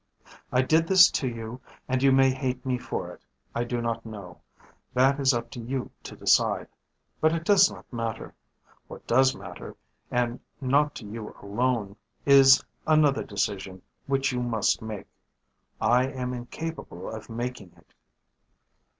"I did this to you and you may hate me for it; I do not know. That is up to you to decide, but it does not matter. What does matter, and not to you alone, is another decision which you must make. I am incapable of making it.